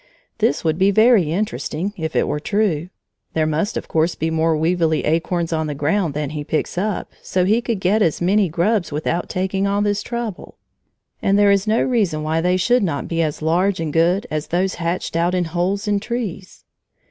This would be very interesting, if it were true. There must of course be more weevilly acorns on the ground than he picks up, so that he could get as many grubs without taking all this trouble, and there is no reason why they should not be as large and good as those hatched out in holes in trees.